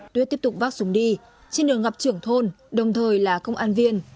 tuyết tiếp tục vác súng đi trên đường gặp trưởng thôn đồng thời là công an viên